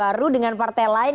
baru dengan partai lain